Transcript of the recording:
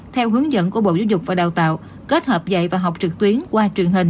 theo hướng dẫn của bộ giáo dục và đào tạo kết hợp dạy và học trực tuyến qua truyền hình